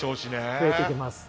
増えていきます。